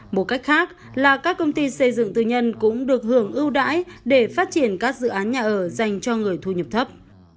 một cách khác là các công ty xây dựng tư nhân cũng được hưởng ưu đãi để phát triển các dự án nhà ở dành cho người thu nhập thấp